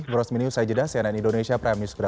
bu rosmini usai jedah cnn indonesia prime news